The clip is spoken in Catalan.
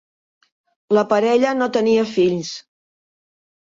La parella no tenia fills.